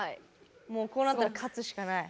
こうなったら勝つしかない。